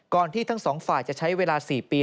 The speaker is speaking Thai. ก่อนที่ทั้ง๒ฝ่ายจะใช้เวลา๔ปี